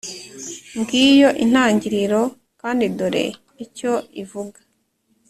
ngiyo intangiriro kandi dore icyo ivuga